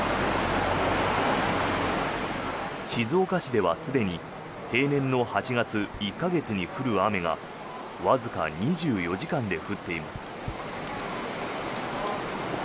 静岡市ではすでに平年の８月１か月に降る雨がわずか２４時間で降っています。